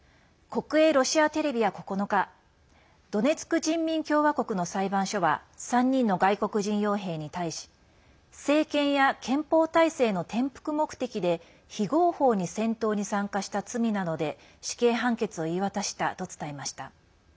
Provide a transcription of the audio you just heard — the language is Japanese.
国営ロシアテレビは９日ドネツク人民共和国の裁判所は３人の外国人よう兵に対し政権や憲法体制の転覆目的で非合法に戦闘に参加した罪などで死刑判決を言い渡したと伝えました。